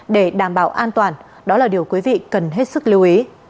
để đảm bảo an toàn đó là điều quý vị cần hết sức lưu ý